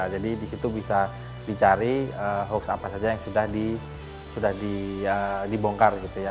jadi disitu bisa dicari hoax apa saja yang sudah dibongkar